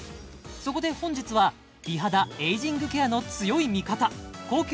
そこで本日は美肌・エイジングケアの強い味方高級